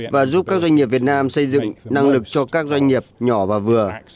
và giúp các doanh nghiệp việt nam xây dựng năng lực cho các doanh nghiệp nhỏ và vừa